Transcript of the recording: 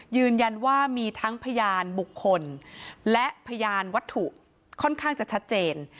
ยืนยันว่ามีทั้งพยานบุคคลและพยานวัตถุค่อนข้างจะชัดเจน